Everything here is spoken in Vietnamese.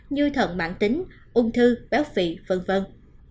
như thần mạng tính ung thư tử vong tử vong tử vong tử vong tử vong tử vong